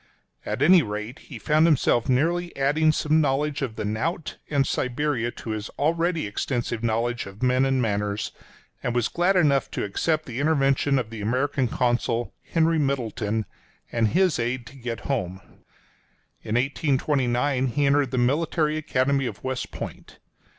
At any rate he found himself nearly adding some knowledge of the knout and Siberia to his already extensive knowledge of men and manners, and was glad enough to accept the intervention of the American consul, Henry Middleton, and his aid to get home. In 1829 he entered the Military Academy of West Point.